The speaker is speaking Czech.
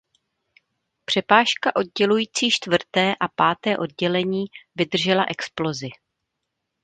Přepážka oddělující čtvrté a páté oddělení vydržela explozi.